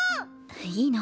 いいの。